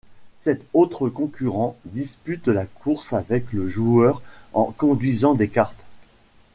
Sept autres concurrents disputent la course avec le joueur en conduisant des karts.